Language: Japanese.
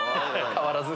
変わらず。